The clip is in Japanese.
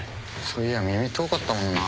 そういや耳遠かったもんな。